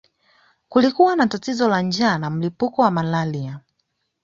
Kulikuwa na tatizo la njaa na mlipuko wa malaria